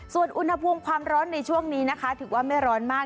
ส่วนอุณหภูมิความร้อนในช่วงนี้นะคะถือว่าไม่ร้อนมาก